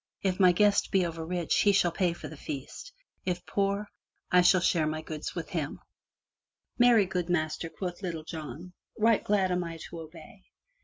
If my guest be over rich he shall pay for the feast; if poor, I will share my goods with him/' "Marry, good Master,*' quoth Little John, "Right glad I am to obey."